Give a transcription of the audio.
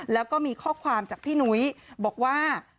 แล้วก็มีข้อความจากพี่นุ้ยบอกว่า